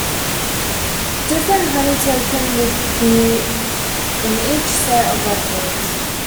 Different honeytoken would be in each set of records.